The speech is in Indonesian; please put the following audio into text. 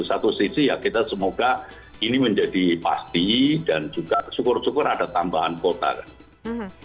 satu sisi ya kita semoga ini menjadi pasti dan juga syukur syukur ada tambahan kuota kan